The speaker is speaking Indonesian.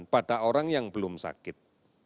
pada orang yang belum sakit